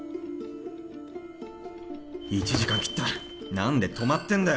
１時間切った何で止まってんだよ！